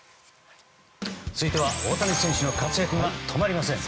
続いては大谷選手の活躍が止まりません。